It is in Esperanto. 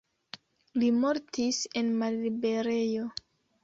Li mortis en malliberejo.